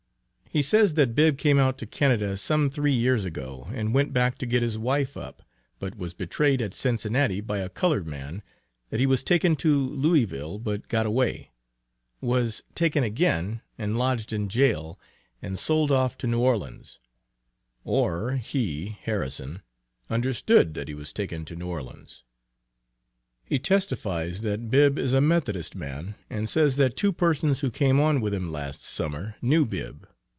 He says that Bibb came out to Canada some three years ago, and went back to get his wife up, but was betrayed at Cincinnati by a colored man that he was taken to Louisville but got away was taken again and lodged in jail, and sold off to New Orleans, or he, (Harrison,) understood that he was taken to New Orleans. He testifies that Bibb is a Methodist man, and says that two persons who came on with him last Summer, knew Bibb.